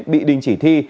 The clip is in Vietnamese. bị đình chỉ thi